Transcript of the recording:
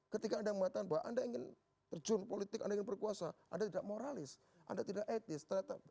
ketika anda mengatakan bahwa anda ingin terjun politik anda ingin berkuasa anda tidak moralis anda tidak etis